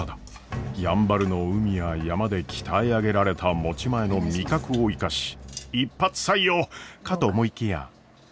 やんばるの海や山で鍛え上げられた持ち前の味覚を生かし一発採用！かと思いきや。